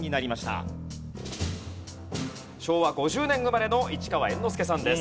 昭和５０年生まれの市川猿之助さんです。